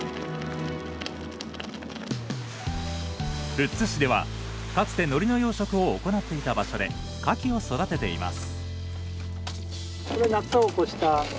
富津市では、かつて海苔の養殖を行っていた場所でカキを育てています。